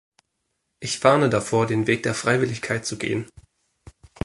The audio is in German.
Ich warne davor, den Weg der Freiwilligkeit zu gehen.